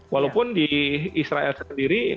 walaupun di israel sendiri